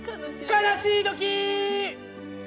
悲しいときー。